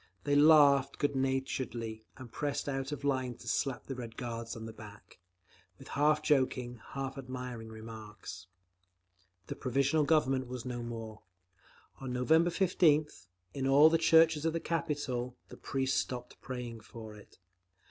They laughed good naturedly and pressed out of line to slap the Red Guards on the back, with half joking, half admiring remarks…. The Provisional Government was no more. On November 15th, in all the churches of the capital, the priests stopped praying for it.